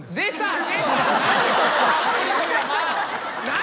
何？